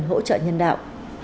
hỗ trợ nhân đạo